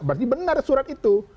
berarti benar surat itu